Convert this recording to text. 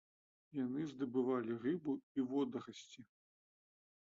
Яны здабывалі рыбу і водарасці.